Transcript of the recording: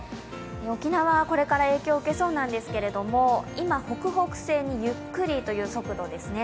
沖縄、これから影響を受けそうなんですけど今、北北西にゆっくりという速度ですね。